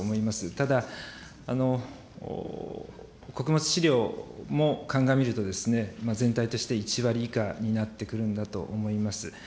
ただ、穀物飼料も鑑みると、全体として１割以下になってくるんだと思います。